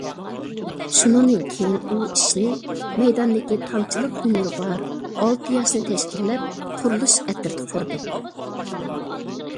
شۇنىڭدىن كېيىن ئۇ ئىشنى مەيداندىكى تامچىلىق ھۈنىرى بار ئالتە ياشنى تەشكىللەپ قۇرۇلۇش ئەترىتى قۇردى.